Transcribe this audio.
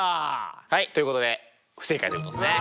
はいということで不正解ということですね。